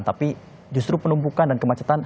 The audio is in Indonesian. tapi justru penumpukan dan kemacetan